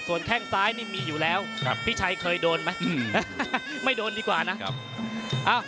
แข้งซ้ายนี่มีอยู่แล้วพี่ชัยเคยโดนไหมไม่โดนดีกว่านะ